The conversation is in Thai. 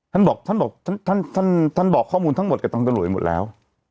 ท่านบอกท่านบอกข้อมูลทั้งหมดกับตรงกระโหลยหมดแล้ว